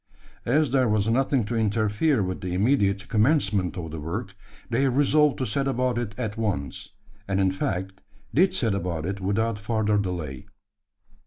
As there was nothing to interfere with the immediate commencement of the work, they resolved to set about it at once; and in fact did set about it without farther delay.